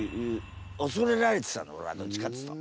恐れられてたんだおれはどっちかっつうと。